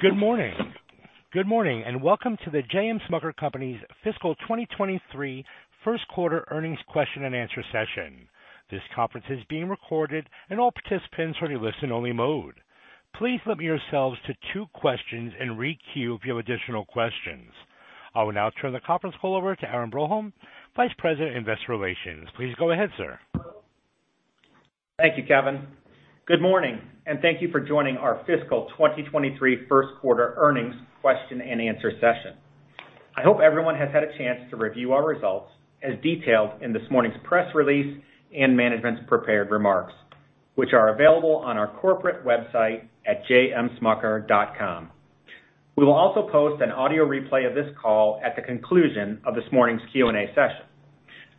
Good morning. Good morning and welcome to the J. M. Smucker Company's fiscal 2023 first quarter earnings question and answer session. This conference is being recorded and all participants are in listen only mode. Please limit yourselves to two questions and re-queue if you have additional questions. I will now turn the conference call over to Aaron Broholm, Vice President, Investor Relations. Please go ahead, sir. Thank you, Kevin. Good morning, and thank you for joining our fiscal 2023 first quarter earnings question and answer session. I hope everyone has had a chance to review our results as detailed in this morning's press release and management's prepared remarks, which are available on our corporate website at jmsmucker.com. We will also post an audio replay of this call at the conclusion of this morning's Q&A session.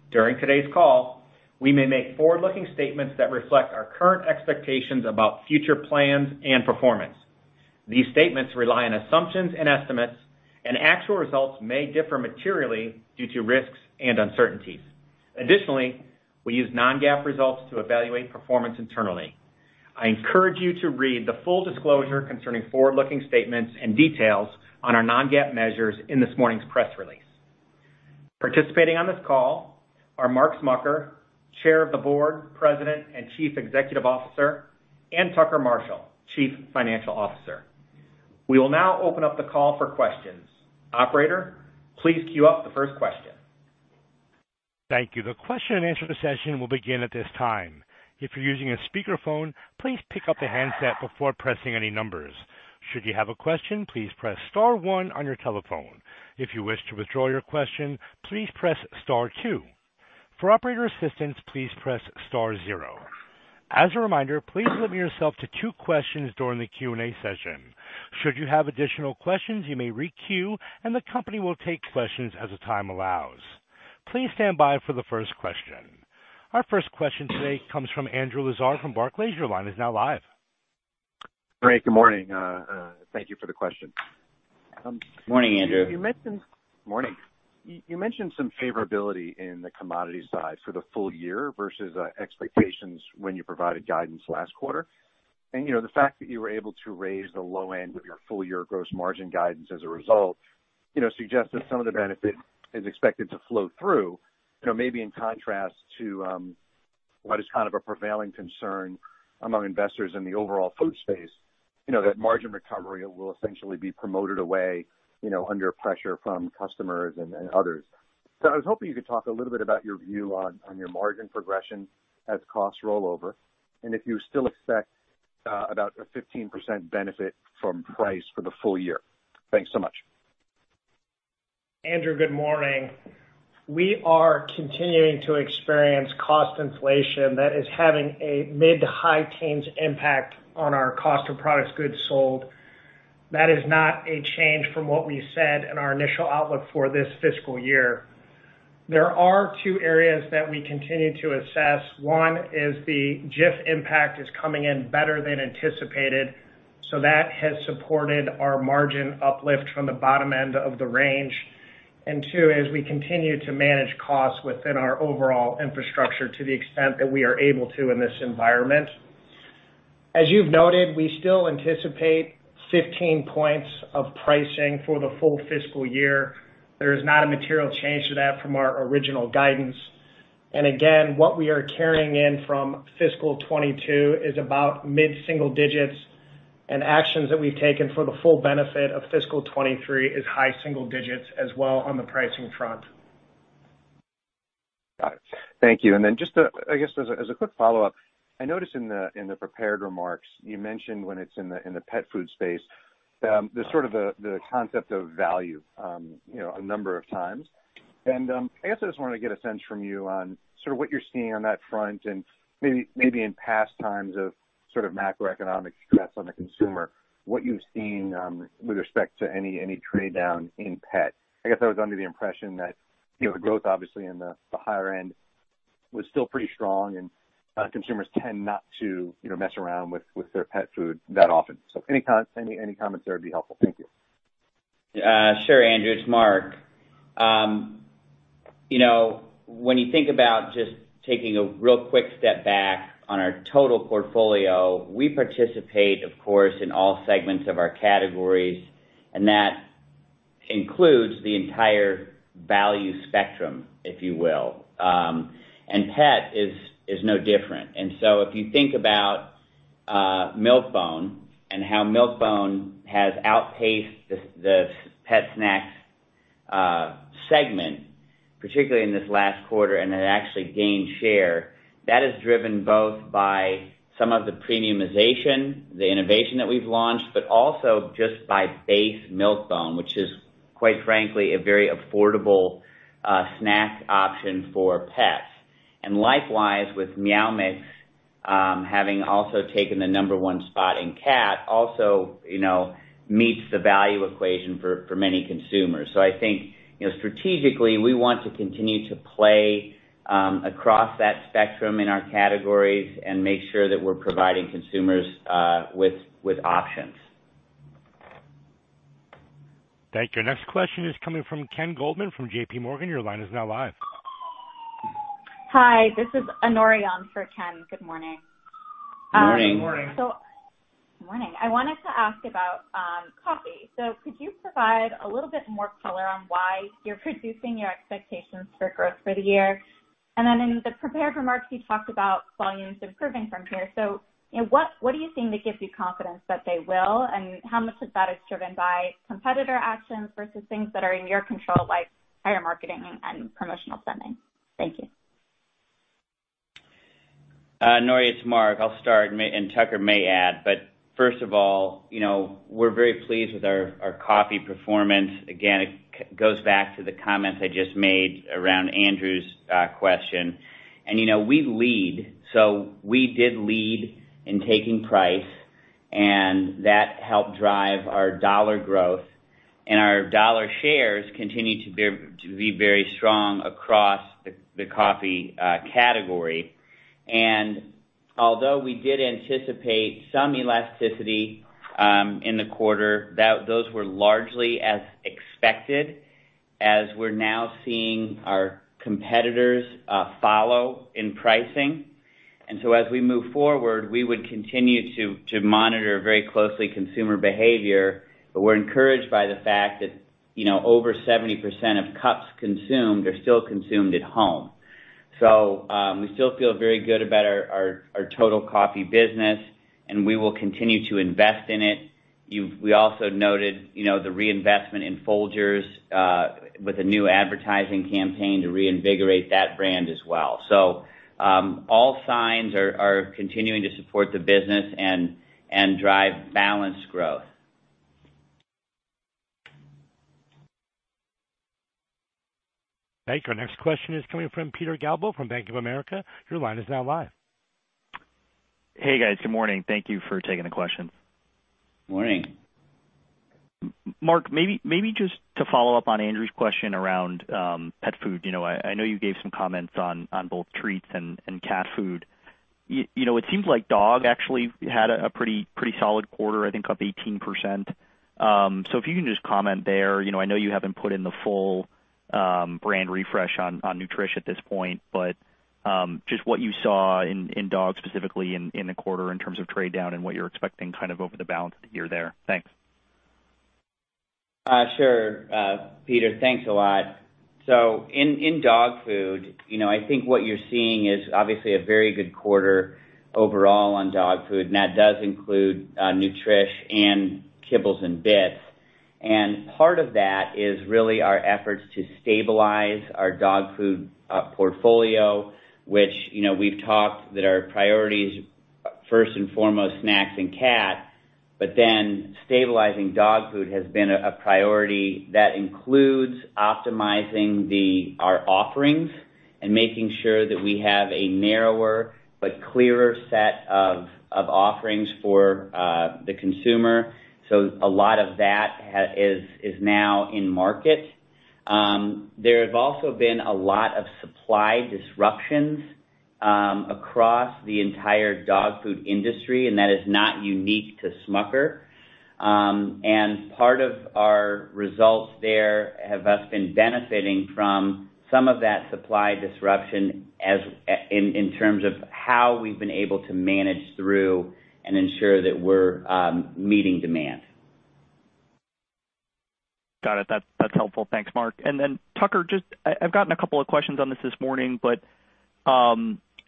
During today's call, we may make forward-looking statements that reflect our current expectations about future plans and performance. These statements rely on assumptions and estimates, and actual results may differ materially due to risks and uncertainties. Additionally, we use non-GAAP results to evaluate performance internally. I encourage you to read the full disclosure concerning forward-looking statements and details on our non-GAAP measures in this morning's press release. Participating on this call are Mark Smucker, Chair of the Board, President and Chief Executive Officer, and Tucker Marshall, Chief Financial Officer. We will now open up the call for questions. Operator, please queue up the first question. Thank you. The question and answer session will begin at this time. If you're using a speakerphone, please pick up the handset before pressing any numbers. Should you have a question, please press star one on your telephone. If you wish to withdraw your question, please press star two. For operator assistance, please press star zero. As a reminder, please limit yourself to two questions during the Q&A session. Should you have additional questions, you may re-queue, and the company will take questions as the time allows. Please stand by for the first question. Our first question today comes from Andrew Lazar from Barclays. Your line is now live. Great. Good morning. Thank you for the question. Morning, Andrew. Morning. You mentioned some favorability in the commodities side for the full year versus expectations when you provided guidance last quarter. You know, the fact that you were able to raise the low end of your full year gross margin guidance as a result, you know, suggests that some of the benefit is expected to flow through, you know, maybe in contrast to what is kind of a prevailing concern among investors in the overall food space, you know, that margin recovery will essentially be promoted away, you know, under pressure from customers and others. I was hoping you could talk a little bit about your view on your margin progression as costs roll over, and if you still expect about a 15% benefit from price for the full year. Thanks so much. Andrew, good morning. We are continuing to experience cost inflation that is having a mid- to high-teens impact on our cost of goods sold. That is not a change from what we said in our initial outlook for this fiscal year. There are two areas that we continue to assess. One is the Jif impact is coming in better than anticipated, so that has supported our margin uplift from the bottom end of the range. Two is we continue to manage costs within our overall infrastructure to the extent that we are able to in this environment. As you've noted, we still anticipate 15 points of pricing for the full fiscal year. There is not a material change to that from our original guidance. Again, what we are carrying in from fiscal 2022 is about mid-single digits%, and actions that we've taken for the full benefit of fiscal 2023 is high single digits as well on the pricing front. Got it. Thank you. Just, I guess, as a quick follow-up, I noticed in the prepared remarks you mentioned when it's in the pet food space, the sort of the concept of value, you know, a number of times. I guess I just wanted to get a sense from you on sort of what you're seeing on that front and maybe in past times of sort of macroeconomic stress on the consumer, what you've seen, with respect to any trade down in pet. I guess I was under the impression that, you know, the growth obviously in the higher end was still pretty strong and, consumers tend not to, you know, mess around with their pet food that often. Any comments there would be helpful. Thank you. Sure, Andrew. It's Mark. You know, when you think about just taking a real quick step back on our total portfolio, we participate, of course, in all segments of our categories, and that includes the entire value spectrum, if you will. Pet is no different. If you think about Milk-Bone and how Milk-Bone has outpaced the pet snacks segment, particularly in this last quarter, and it actually gained share. That is driven both by some of the premiumization, the innovation that we've launched, but also just by base Milk-Bone, which is quite frankly a very affordable snack option for pets. Likewise with Meow Mix, having also taken the number one spot in cat also, you know, meets the value equation for many consumers. I think, you know, strategically we want to continue to play across that spectrum in our categories and make sure that we're providing consumers with options. Thank you. Next question is coming from Ken Goldman from JPMorgan. Your line is now live. Hi, this is Norian for Ken. Good morning. Good morning. Morning. I wanted to ask about coffee. Could you provide a little bit more color on why you're reducing your expectations for growth for the year? Then in the prepared remarks, you talked about volumes improving from here. You know, what do you think that gives you confidence that they will? How much of that is driven by competitor actions versus things that are in your control, like higher marketing and promotional spending? Thank you. Norian, it's Mark. I'll start and Tucker may add, but first of all, you know, we're very pleased with our coffee performance. Again, it goes back to the comments I just made around Andrew's question. You know, we lead, so we did lead in taking price, and that helped drive our dollar growth. Our dollar shares continue to be very strong across the coffee category. Although we did anticipate some elasticity in the quarter, those were largely as expected as we're now seeing our competitors follow in pricing. So as we move forward, we would continue to monitor very closely consumer behavior, but we're encouraged by the fact that, you know, over 70% of cups consumed are still consumed at home. We still feel very good about our total coffee business, and we will continue to invest in it. We also noted, you know, the reinvestment in Folgers with a new advertising campaign to reinvigorate that brand as well. All signs are continuing to support the business and drive balanced growth. Thank you. Our next question is coming from Peter Galbo from Bank of America. Your line is now live. Hey, guys. Good morning. Thank you for taking the questions. Morning. Mark, maybe just to follow up on Andrew's question around pet food. You know, I know you gave some comments on both treats and cat food. You know, it seems like dog actually had a pretty solid quarter, I think up 18%. So if you can just comment there, you know, I know you haven't put in the full brand refresh on Nutrish at this point, but just what you saw in dogs specifically in the quarter in terms of trade down and what you're expecting kind of over the balance of the year there. Thanks. Sure, Peter. Thanks a lot. In dog food, you know, I think what you're seeing is obviously a very good quarter overall on dog food, and that does include Nutrish and Kibbles 'n Bits. Part of that is really our efforts to stabilize our dog food portfolio, which, you know, we've talked that our priorities, first and foremost snacks and cat, but then stabilizing dog food has been a priority that includes optimizing our offerings and making sure that we have a narrower but clearer set of offerings for the consumer. A lot of that is now in market. There have also been a lot of supply disruptions across the entire dog food industry, and that is not unique to Smucker. Part of our results there has been benefiting from some of that supply disruption in terms of how we've been able to manage through and ensure that we're meeting demand. Got it. That's helpful. Thanks, Mark. Tucker, just I've gotten a couple of questions on this morning, but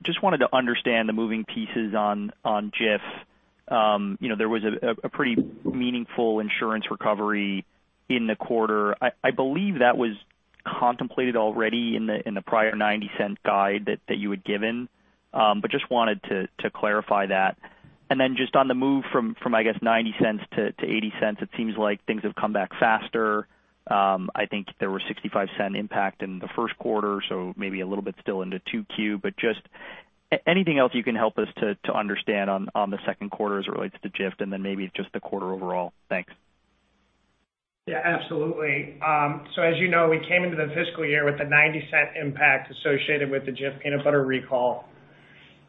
just wanted to understand the moving pieces on Jif. You know, there was a pretty meaningful insurance recovery in the quarter. I believe that was contemplated already in the prior $0.90 guide that you had given, but just wanted to clarify that. Just on the move from I guess $0.90-$0.80, it seems like things have come back faster. I think there were $0.65 impact in the first quarter, so maybe a little bit still into 2Q. Just anything else you can help us to understand on the second quarter as it relates to Jif and then maybe just the quarter overall. Thanks. Yeah, absolutely. So as you know, we came into the fiscal year with a $0.90 impact associated with the Jif peanut butter recall.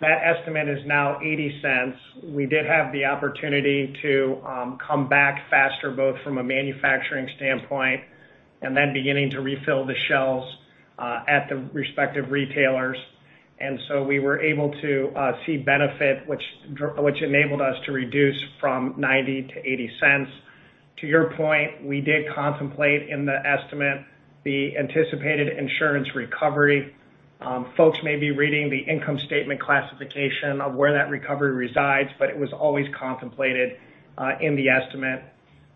That estimate is now $0.80. We did have the opportunity to come back faster, both from a manufacturing standpoint and then beginning to refill the shelves at the respective retailers. We were able to see benefit which enabled us to reduce from $0.90-$0.80. To your point, we did contemplate in the estimate the anticipated insurance recovery. Folks may be reading the income statement classification of where that recovery resides, but it was always contemplated in the estimate.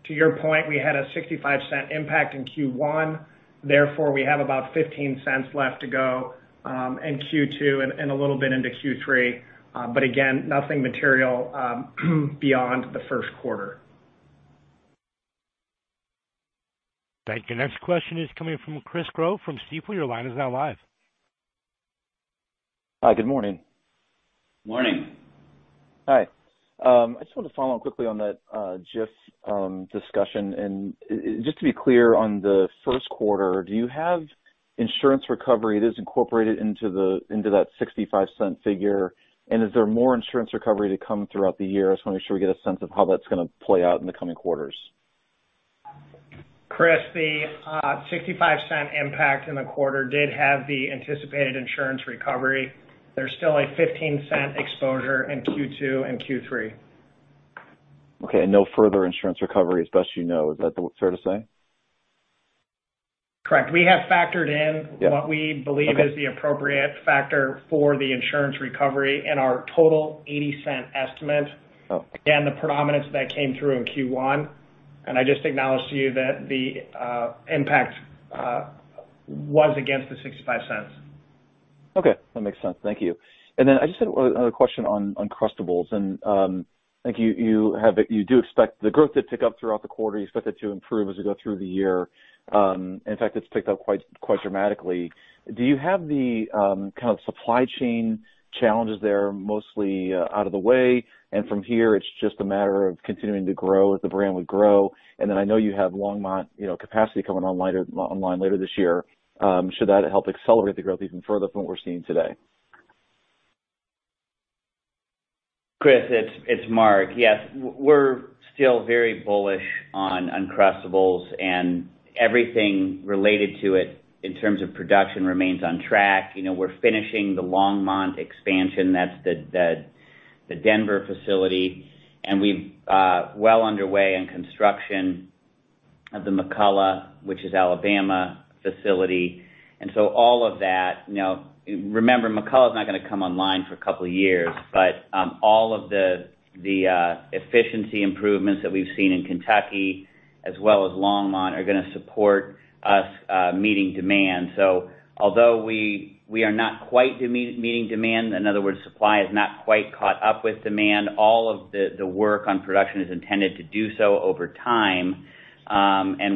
To your point, we had a $0.65 impact in Q1, therefore we have about $0.15 left to go in Q2 and a little bit into Q3. But again, nothing material, beyond the first quarter. Thank you. Next question is coming from Chris Growe from Stifel. Your line is now live. Hi, good morning. Morning. Hi. I just wanted to follow up quickly on that, Jif, discussion. Just to be clear, on the first quarter, do you have insurance recovery that is incorporated into that $0.65 figure, and is there more insurance recovery to come throughout the year? I just wanna make sure we get a sense of how that's gonna play out in the coming quarters. Chris, the $0.65 impact in the quarter did have the anticipated insurance recovery. There's still a $0.15 exposure in Q2 and Q3. Okay. No further insurance recovery as best you know. Is that fair to say? Correct. We have factored in. Yeah. what we believe is the appropriate factor for the insurance recovery and our total $0.80 estimate. Okay. The predominance that came through in Q1. I just acknowledge to you that the impact was against the $0.65. Okay, that makes sense. Thank you. I just had another question on Uncrustables. I think you do expect the growth to pick up throughout the quarter. You expect it to improve as we go through the year. In fact, it's picked up quite dramatically. Do you have the kind of supply chain challenges there mostly out of the way, and from here it's just a matter of continuing to grow as the brand would grow? I know you have Longmont capacity coming online later this year. Should that help accelerate the growth even further from what we're seeing today? Chris, it's Mark. Yes, we're still very bullish on Uncrustables and everything related to it in terms of production remains on track. You know, we're finishing the Longmont expansion. That's the Denver facility. We're well underway in construction of the McCalla, which is the Alabama facility. All of that. Now, remember, McCalla is not gonna come online for a couple of years, but all of the efficiency improvements that we've seen in Kentucky as well as Longmont are gonna support us meeting demand. So although we are not quite meeting demand, in other words, supply has not quite caught up with demand, all of the work on production is intended to do so over time.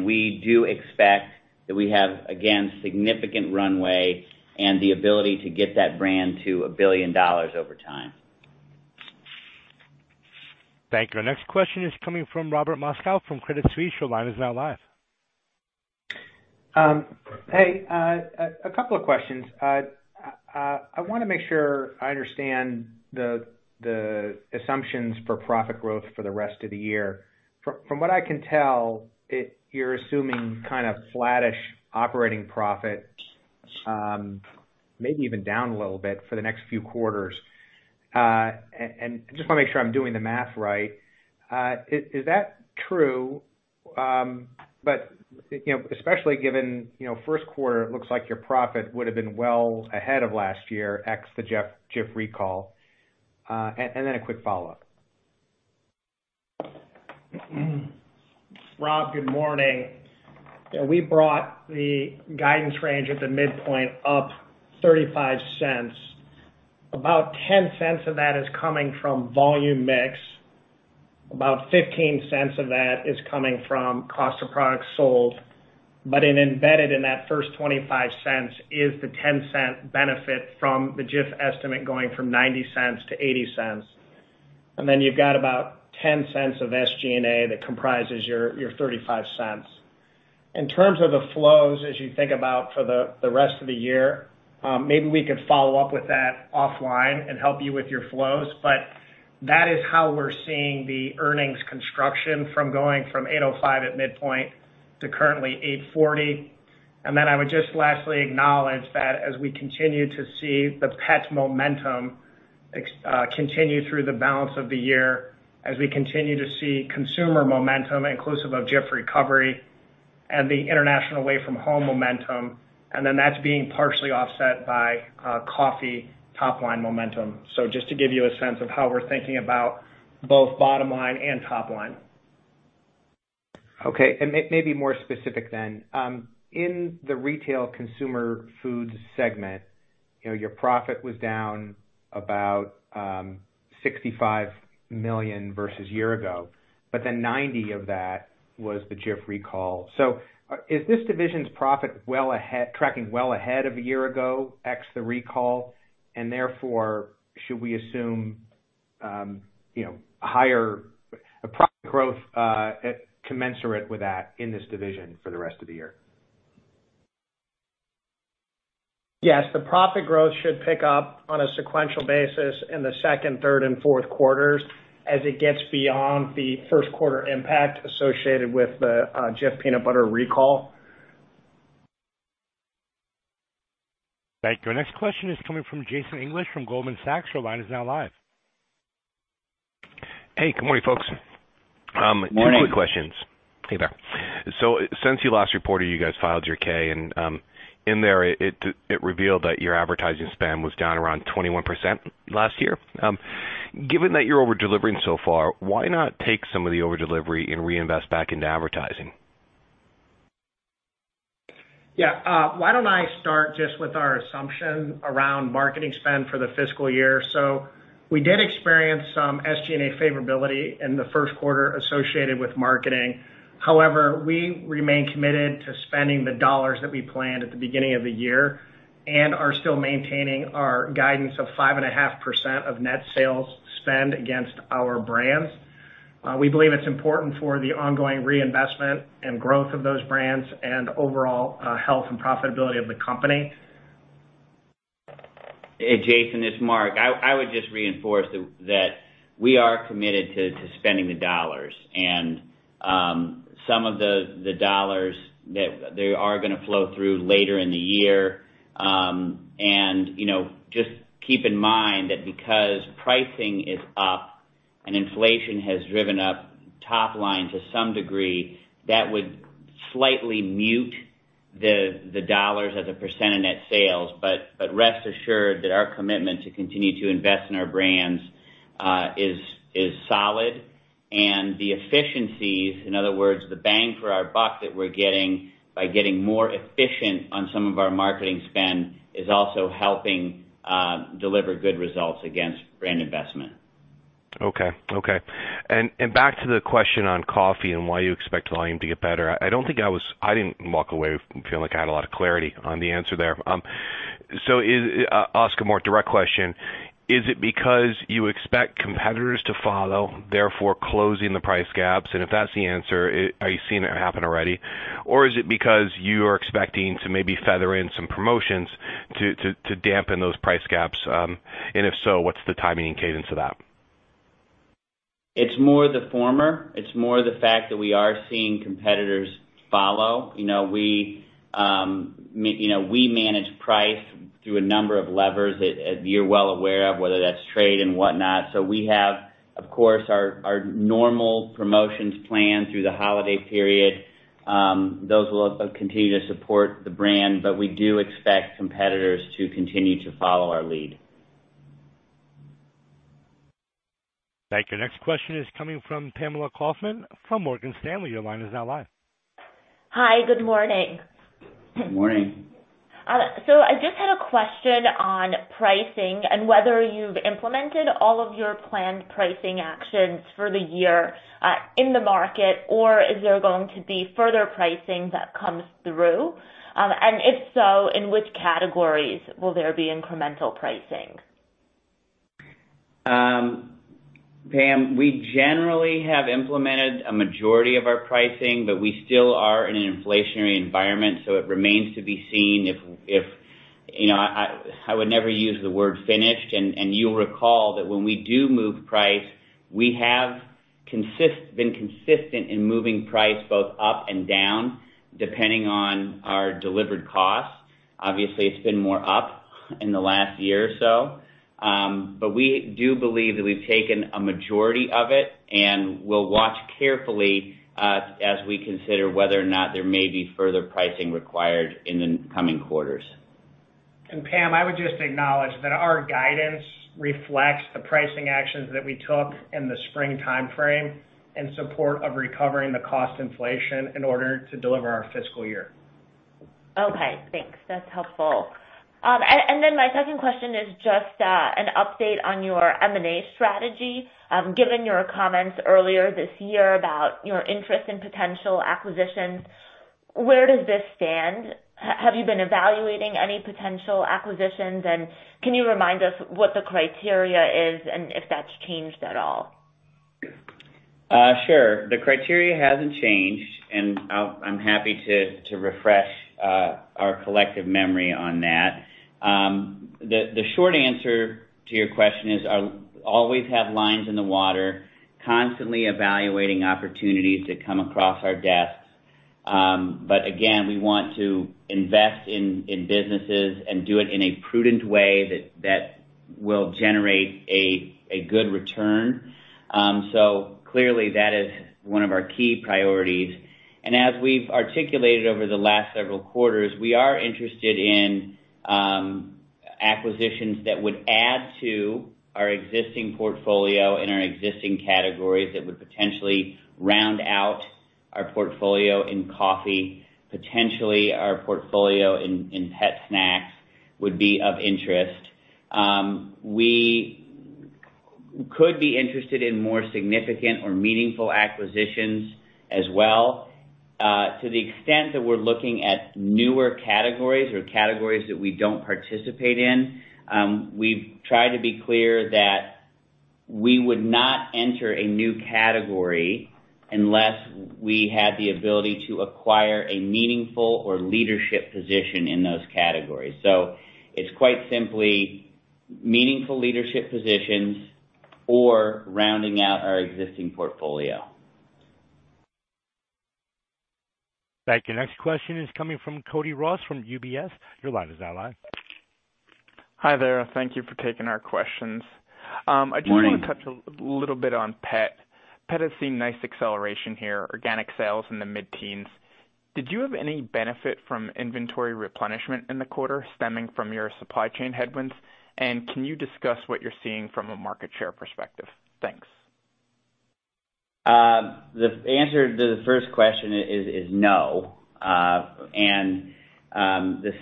We do expect that we have, again, significant runway and the ability to get that brand to $1 billion over time. Thank you. Our next question is coming from Robert Moskow from Credit Suisse. Your line is now live. Hey, a couple of questions. I wanna make sure I understand the assumptions for profit growth for the rest of the year. From what I can tell, you're assuming kind of flattish operating profit, maybe even down a little bit for the next few quarters. Just wanna make sure I'm doing the math right. Is that true? Especially given first quarter, it looks like your profit would have been well ahead of last year, ex the Jif recall. Then a quick follow-up. Rob, good morning. Yeah, we brought the guidance range at the midpoint up $0.35. About $0.10 of that is coming from volume mix. About $0.15 of that is coming from cost of products sold. Embedded in that first $0.25 is the $0.10 benefit from the Jif estimate going from $0.90-$0.80. Then you've got about $0.10 of SG&A that comprises your $0.35. In terms of the flows as you think about for the rest of the year, maybe we could follow up with that offline and help you with your flows. That is how we're seeing the earnings construction from going from $8.05 at midpoint to currently $8.40. I would just lastly acknowledge that as we continue to see the pet momentum continue through the balance of the year, as we continue to see consumer momentum inclusive of Jif recovery and the international away from home momentum, and then that's being partially offset by coffee top line momentum. Just to give you a sense of how we're thinking about both bottom line and top line. Okay. Maybe more specific then. In the retail consumer foods segment, you know, your profit was down about $65 million versus year ago. Ninety of that was the Jif recall. Is this division's profit tracking well ahead of a year ago, ex the recall? Therefore, should we assume higher profit growth commensurate with that in this division for the rest of the year? Yes, the profit growth should pick up on a sequential basis in the second, third and fourth quarters as it gets beyond the first quarter impact associated with the Jif peanut butter recall. Thank you. Our next question is coming from Jason English from Goldman Sachs. Your line is now live. Hey, good morning, folks. Morning. Two quick questions. Hey there. Since you last reported, you guys filed your K, and in there it revealed that your advertising spend was down around 21% last year. Given that you're over-delivering so far, why not take some of the over-delivery and reinvest back into advertising? Yeah. Why don't I start just with our assumption around marketing spend for the fiscal year. We did experience some SG&A favorability in the first quarter associated with marketing. However, we remain committed to spending the dollars that we planned at the beginning of the year and are still maintaining our guidance of 5.5% of net sales spend against our brands. We believe it's important for the ongoing reinvestment and growth of those brands and overall, health and profitability of the company. Jason, it's Mark. I would just reinforce that we are committed to spending the dollars and some of the dollars that they are gonna flow through later in the year. You know, just keep in mind that because pricing is up and inflation has driven up top line to some degree, that would slightly mute the dollars as a percent of net sales. But rest assured that our commitment to continue to invest in our brands is solid. The efficiencies, in other words, the bang for our buck that we're getting by getting more efficient on some of our marketing spend is also helping deliver good results against brand investment. Okay, back to the question on coffee and why you expect volume to get better. I didn't walk away feeling like I had a lot of clarity on the answer there. Ask a more direct question. Is it because you expect competitors to follow, therefore closing the price gaps? If that's the answer, are you seeing it happen already? Or is it because you are expecting to maybe feather in some promotions to dampen those price gaps? If so, what's the timing and cadence of that? It's more the former. It's more the fact that we are seeing competitors follow. You know, we, you know, we manage price through a number of levers that, you're well aware of, whether that's trade and whatnot. We have, of course, our normal promotions planned through the holiday period. Those will continue to support the brand, but we do expect competitors to continue to follow our lead. Thank you. Next question is coming from Pamela Kaufman from Morgan Stanley. Your line is now live. Hi. Good morning. Good morning. I just had a question on pricing and whether you've implemented all of your planned pricing actions for the year, in the market, or is there going to be further pricing that comes through? If so, in which categories will there be incremental pricing? Pam, we generally have implemented a majority of our pricing, but we still are in an inflationary environment, so it remains to be seen. You know, I would never use the word finished. You'll recall that when we do move price, we have been consistent in moving price both up and down, depending on our delivered costs. Obviously, it's been more up in the last year or so. We do believe that we've taken a majority of it, and we'll watch carefully as we consider whether or not there may be further pricing required in the coming quarters. Pam, I would just acknowledge that our guidance reflects the pricing actions that we took in the spring timeframe in support of recovering the cost inflation in order to deliver our fiscal year. Okay, thanks. That's helpful. And then my second question is just an update on your M&A strategy. Given your comments earlier this year about your interest in potential acquisitions, where does this stand? Have you been evaluating any potential acquisitions? And can you remind us what the criteria is and if that's changed at all? Sure. The criteria hasn't changed, and I'm happy to refresh our collective memory on that. The short answer to your question is I'll always have lines in the water constantly evaluating opportunities that come across our desks. But again, we want to invest in businesses and do it in a prudent way that will generate a good return. So clearly that is one of our key priorities. As we've articulated over the last several quarters, we are interested in acquisitions that would add to our existing portfolio and our existing categories that would potentially round out our portfolio in coffee. Potentially, our portfolio in pet snacks would be of interest. We could be interested in more significant or meaningful acquisitions as well. To the extent that we're looking at newer categories or categories that we don't participate in, we've tried to be clear that we would not enter a new category unless we had the ability to acquire a meaningful or leadership position in those categories. It's quite simply meaningful leadership positions or rounding out our existing portfolio. Thank you. Next question is coming from Cody Ross from UBS. Your line is now live. Hi there. Thank you for taking our questions. Morning. I do wanna touch a little bit on Pet. Pet has seen nice acceleration here, organic sales in the mid-teens. Did you have any benefit from inventory replenishment in the quarter stemming from your supply chain headwinds? And can you discuss what you're seeing from a market share perspective? Thanks. The answer to the first question is no. The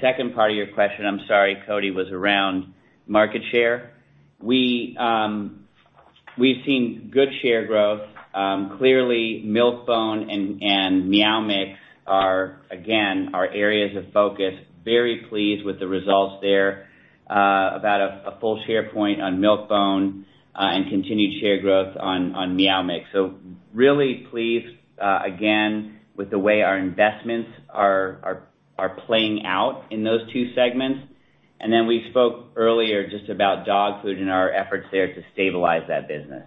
second part of your question, I'm sorry, Cody, was around market share. We've seen good share growth. Clearly Milk-Bone and Meow Mix are again our areas of focus. Very pleased with the results there. About a full share point on Milk-Bone and continued share growth on Meow Mix. Really pleased again with the way our investments are playing out in those two segments. We spoke earlier just about dog food and our efforts there to stabilize that business.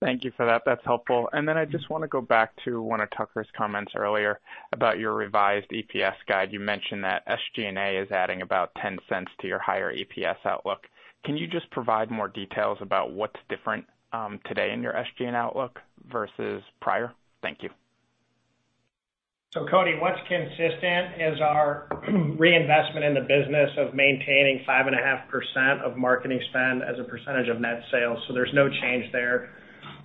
Thank you for that. That's helpful. I just wanna go back to one of Tucker's comments earlier about your revised EPS guide. You mentioned that SG&A is adding about $0.10 to your higher EPS outlook. Can you just provide more details about what's different, today in your SG&A outlook versus prior? Thank you. Cody, what's consistent is our reinvestment in the business of maintaining 5.5% of marketing spend as a percentage of net sales. There's no change there.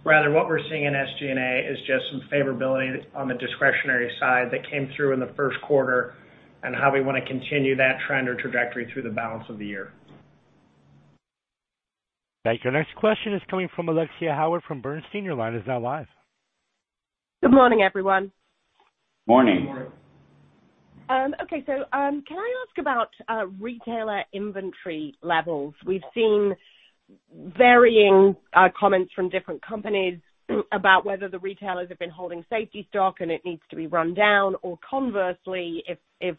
Rather, what we're seeing in SG&A is just some favorability on the discretionary side that came through in the first quarter and how we wanna continue that trend or trajectory through the balance of the year. Thank you. Next question is coming from Alexia Howard from Bernstein. Your line is now live. Good morning, everyone. Morning. Morning. Okay, so, can I ask about retailer inventory levels? We've seen varying comments from different companies about whether the retailers have been holding safety stock and it needs to be run down, or conversely, if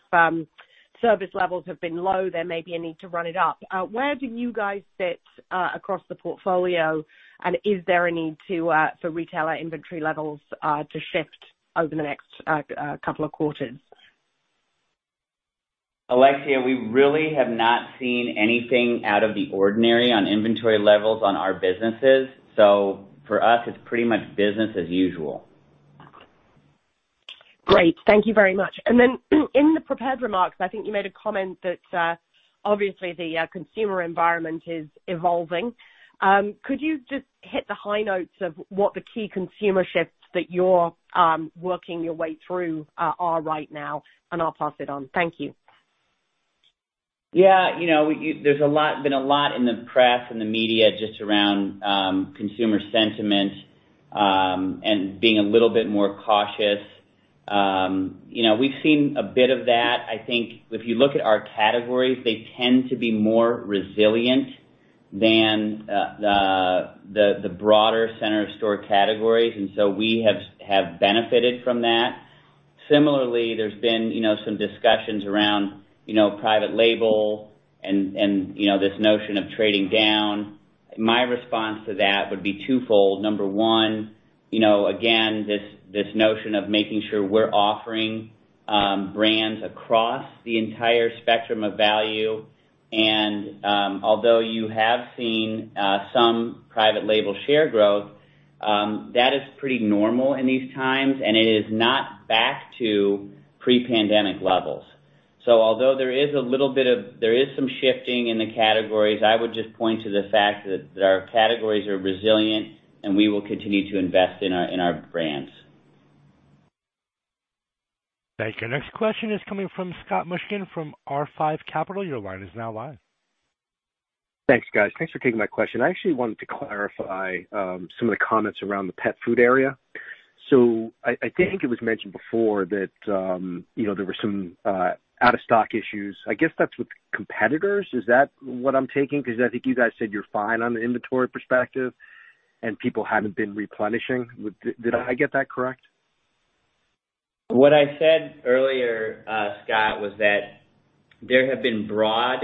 service levels have been low, there may be a need to run it up. Where do you guys sit across the portfolio? Is there a need to for retailer inventory levels to shift over the next couple of quarters? Alexia, we really have not seen anything out of the ordinary on inventory levels on our businesses, so for us, it's pretty much business as usual. Great. Thank you very much. In the prepared remarks, I think you made a comment that, obviously the consumer environment is evolving. Could you just hit the high notes of what the key consumer shifts that you're working your way through are right now? I'll pass it on. Thank you. Yeah. You know, there's a lot in the press and the media just around consumer sentiment and being a little bit more cautious. You know, we've seen a bit of that. I think if you look at our categories, they tend to be more resilient than the broader center of store categories, and so we have benefited from that. Similarly, there's been you know some discussions around you know private label and this notion of trading down. My response to that would be twofold. Number one, you know, again, this notion of making sure we're offering brands across the entire spectrum of value. Although you have seen some private label share growth, that is pretty normal in these times, and it is not back to pre-pandemic levels. Although there is some shifting in the categories, I would just point to the fact that our categories are resilient, and we will continue to invest in our brands. Thank you. Next question is coming from Scott Mushkin from R5 Capital. Your line is now live. Thanks, guys. Thanks for taking my question. I actually wanted to clarify some of the comments around the pet food area. I think it was mentioned before that, you know, there were some out-of-stock issues. I guess that's with competitors. Is that what I'm taking? 'Cause I think you guys said you're fine on the inventory perspective and people haven't been replenishing. Did I get that correct? What I said earlier, Scott, was that there have been broad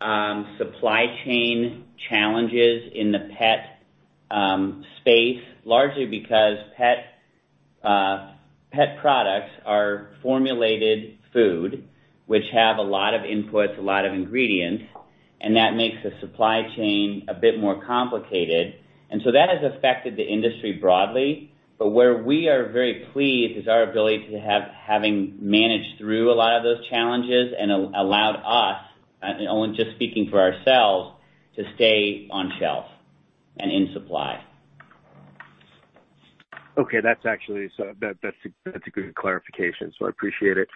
supply chain challenges in the pet space, largely because pet products are formulated food, which have a lot of inputs, a lot of ingredients, and that makes the supply chain a bit more complicated. That has affected the industry broadly. Where we are very pleased is our ability having managed through a lot of those challenges and allowed us, only just speaking for ourselves, to stay on shelf and in supply. Okay. That's actually a good clarification, so I appreciate it.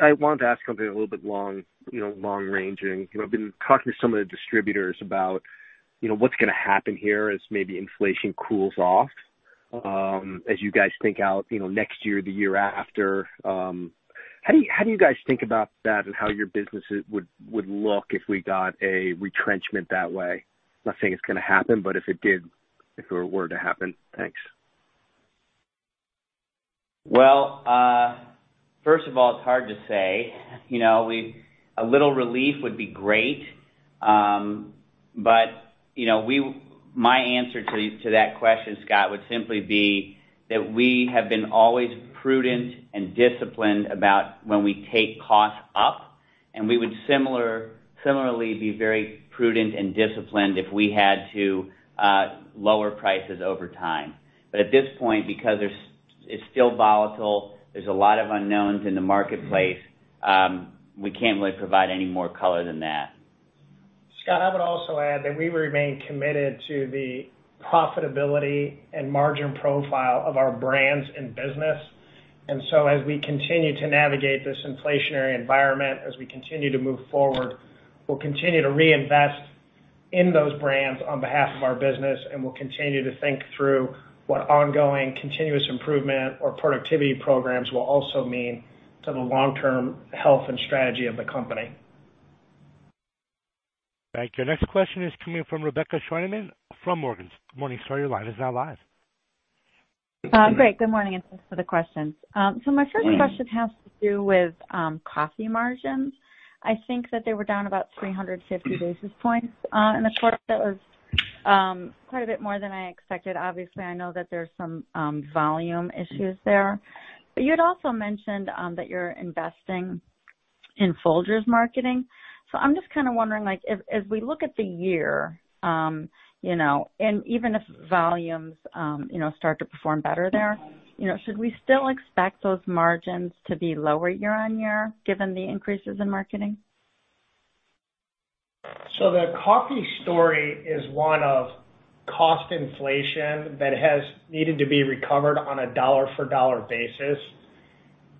I wanted to ask something a little bit long, you know, long-ranging. You know, I've been talking to some of the distributors about, you know, what's gonna happen here as maybe inflation cools off, as you guys think out, you know, next year or the year after. How do you guys think about that and how your businesses would look if we got a retrenchment that way? Not saying it's gonna happen, but if it did, if it were to happen. Thanks. Well, first of all, it's hard to say. You know, a little relief would be great. But, you know, my answer to that question, Scott, would simply be that we have been always prudent and disciplined about when we take costs up, and we would similarly be very prudent and disciplined if we had to lower prices over time. But at this point, because it's still volatile, there's a lot of unknowns in the marketplace, we can't really provide any more color than that. Scott, I would also add that we remain committed to the profitability and margin profile of our brands and business. As we continue to navigate this inflationary environment, as we continue to move forward, we'll continue to reinvest in those brands on behalf of our business, and we'll continue to think through what ongoing continuous improvement or productivity programs will also mean to the long-term health and strategy of the company. Thank you. Next question is coming from Rebecca Shaoul from Morgan Stanley. Good morning. Sir, your line is now live. Good morning, and thanks for the questions. My first question has to do with coffee margins. I think that they were down about 350 basis points in the quarter. That was quite a bit more than I expected. Obviously, I know that there's some volume issues there, but you had also mentioned that you're investing in Folgers marketing. I'm just kinda wondering, like if as we look at the year, you know, and even if volumes, you know, start to perform better there, you know, should we still expect those margins to be lower year-on-year given the increases in marketing? The coffee story is one of cost inflation that has needed to be recovered on a dollar for dollar basis.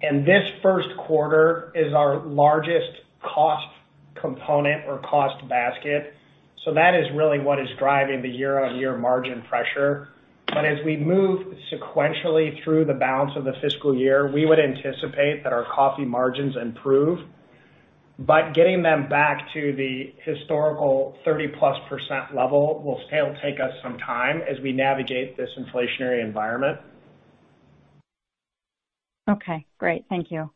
This first quarter is our largest cost component or cost basket. That is really what is driving the year-on-year margin pressure. As we move sequentially through the balance of the fiscal year, we would anticipate that our coffee margins improve. Getting them back to the historical 30%+ level will still take us some time as we navigate this inflationary environment. Okay, great. Thank you.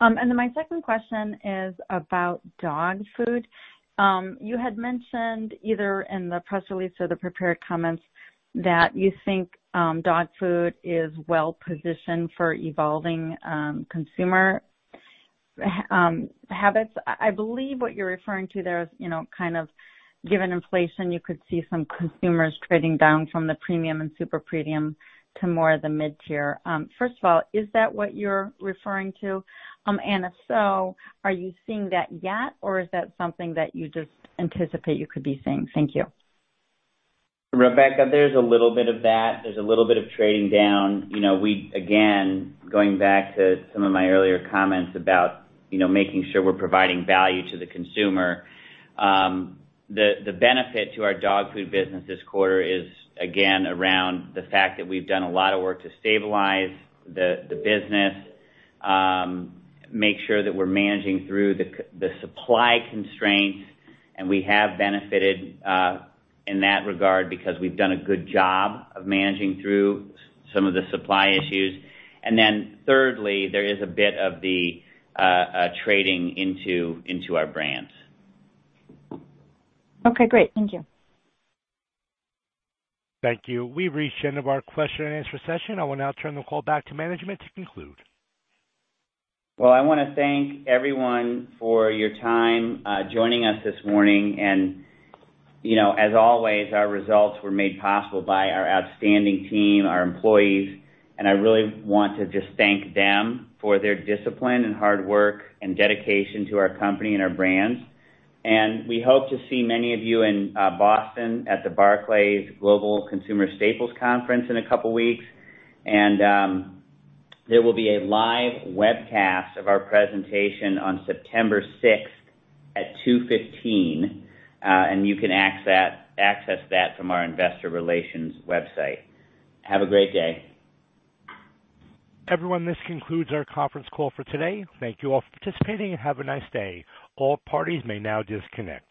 My second question is about dog food. You had mentioned either in the press release or the prepared comments that you think dog food is well-positioned for evolving consumer habits. I believe what you're referring to there is, you know, kind of given inflation, you could see some consumers trading down from the premium and super premium to more of the mid-tier. First of all, is that what you're referring to? If so, are you seeing that yet, or is that something that you just anticipate you could be seeing? Thank you. Rebecca, there's a little bit of that. There's a little bit of trading down. You know, again, going back to some of my earlier comments about, you know, making sure we're providing value to the consumer, the benefit to our dog food business this quarter is again around the fact that we've done a lot of work to stabilize the business, make sure that we're managing through the supply constraints, and we have benefited in that regard because we've done a good job of managing through some of the supply issues. Thirdly, there is a bit of the trading into our brands. Okay, great. Thank you. Thank you. We've reached the end of our question and answer session. I will now turn the call back to management to conclude. Well, I wanna thank everyone for your time joining us this morning. You know, as always, our results were made possible by our outstanding team, our employees, and I really want to just thank them for their discipline and hard work and dedication to our company and our brands. We hope to see many of you in Boston at the Barclays Global Consumer Staples Conference in a couple weeks. There will be a live webcast of our presentation on September 6th at 2:15 P.M., and you can access that from our investor relations website. Have a great day. Everyone, this concludes our conference call for today. Thank you all for participating and have a nice day. All parties may now disconnect.